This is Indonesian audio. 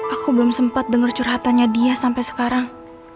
aku belum sempat dengar curhatannya dia sampai sekarang